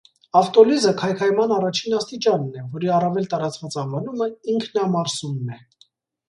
Ավտոլիզը քայքայման առաջին աստիճանն է, որի առավել տարածված անվանումը՝ ինքնամարսումն է։